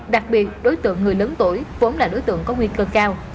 đặc biệt đối tượng người lớn tuổi vốn là đối tượng có nguy cơ cao